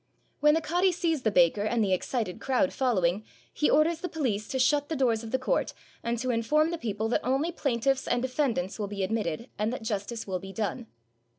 When the cadi sees the baker and the excited crowd following, he orders the police to shut the doors of the court, and to inform the people that only plaintiffs and defendants will be admitted, and that justice will be done.